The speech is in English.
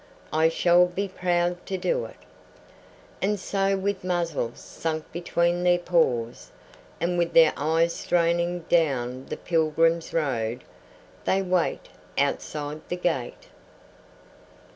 "I shall be proud to do it." And so with muzzles sunk between their paws, and with their eyes straining down the pilgrims' road, they wait outside the gate.